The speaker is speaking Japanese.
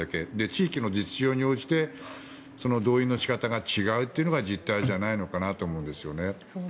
地域の実情に応じてその動員の仕方が違うというのが実態じゃないかと思うんです。